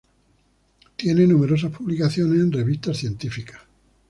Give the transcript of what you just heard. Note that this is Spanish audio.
Tiene numerosas publicaciones en revistas científicas.